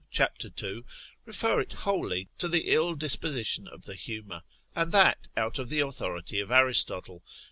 cap. 2, refer it wholly to the ill disposition of the humour, and that out of the authority of Aristotle prob.